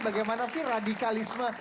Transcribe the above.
bagaimana sih radikalisme